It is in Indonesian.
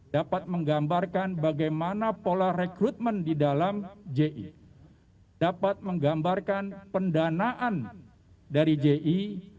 dapat menggambarkan bagaimana pola rekrutmen di dalam ji dapat menggambarkan pendanaan dari ji